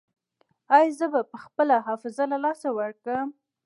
ایا زه به خپله حافظه له لاسه ورکړم؟